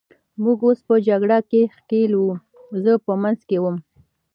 موږ اوس په جګړه کې ښکېل وو، زه په منځ کې وم.